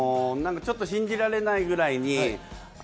ちょっと信じられないくらいに。